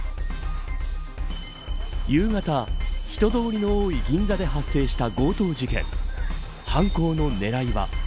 夕方、人通りの多い銀座で発生した強盗事件犯行の狙いは。